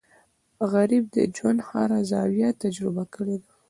غریب د ژوند هر زاویه تجربه کړې ده